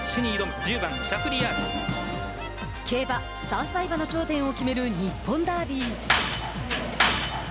競馬３歳馬の頂点を決める日本ダービー。